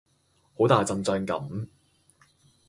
好大陣仗噉